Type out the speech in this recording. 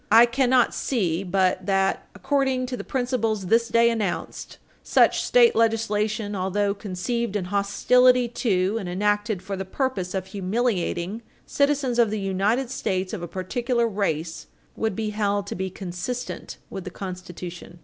I cannot see but that, according to the principles this day announced, such state legislation, although conceived in hostility to, and enacted for the purpose of humiliating, citizens of the United States of a particular race, would be held to be consistent with the Constitution.